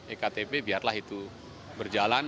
ektp biarlah itu berjalan